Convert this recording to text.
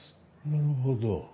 なるほど。